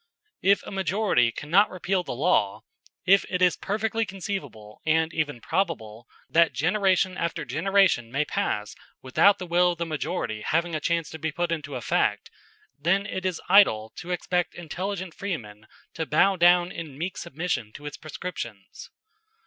If a majority cannot repeal the law if it is perfectly conceivable, and even probable, that generation after generation may pass without the will of the majority having a chance to be put into effect then it is idle to expect intelligent freemen to bow down in meek submission to its prescriptions.